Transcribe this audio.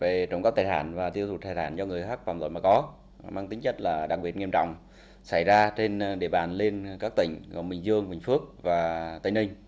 đây là vụ án về trộm cắp tài sản và tiêu thụ tài sản do người khác phạm tội mà có mang tính chất là đặc biệt nghiêm trọng xảy ra trên địa bàn lên các tỉnh gồm bình dương bình phước và tây ninh